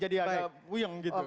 jadi agak wuyeng gitu